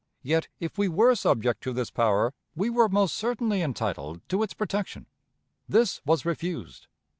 Yet, if we were subject to this power, we were most certainly entitled to its protection. This was refused.